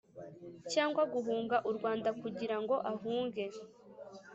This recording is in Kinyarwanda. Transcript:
cyangwa guhunga u Rwanda kugira ngo ahunge